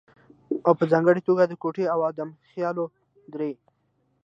او په ځانګړې توګه د کوټې او ادم خېلو درې